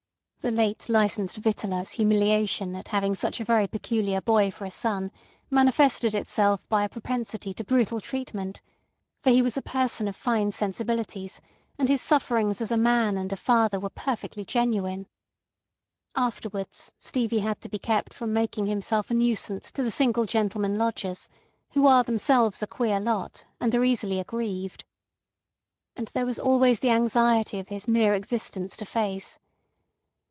The late licensed victualler's humiliation at having such a very peculiar boy for a son manifested itself by a propensity to brutal treatment; for he was a person of fine sensibilities, and his sufferings as a man and a father were perfectly genuine. Afterwards Stevie had to be kept from making himself a nuisance to the single gentlemen lodgers, who are themselves a queer lot, and are easily aggrieved. And there was always the anxiety of his mere existence to face.